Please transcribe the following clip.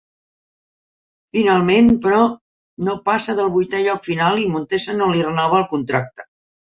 Finalment, però, no passà del vuitè lloc final i Montesa no li renovà el contracte.